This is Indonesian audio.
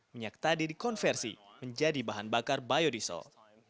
minyak tadi dikonversi menjadi bahan bakar biodiesel